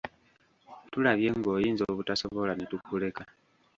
Tulabye ng'oyinza obutasobola ne tukuleka.